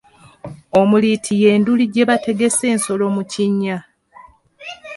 Omuliiti ye nduli gye bategesa ensolo mu kinnya.